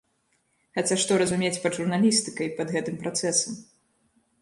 Хаця што разумець пад журналістыкай, пад гэтым працэсам.